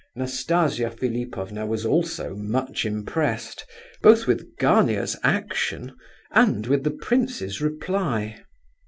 Nastasia Philipovna was also much impressed, both with Gania's action and with the prince's reply.